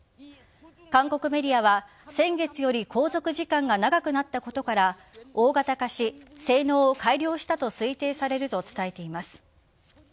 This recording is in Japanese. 韓国メディアは先月より航続時間が長くなったことから大型化し性能を改良したと推定されると伝えています。